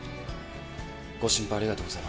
ご心配ありがとうございます。